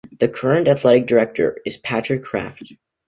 The current athletic director is Patrick Kraft.